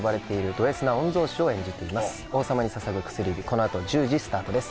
このあと１０時スタートです